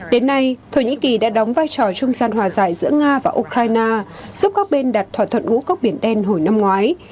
đến nay thổ nhĩ kỳ đã đóng vai trò trung gian hòa giải giữa nga và ukraine giúp các bên đặt thỏa thuận ngũ cốc biển đen hồi năm ngoái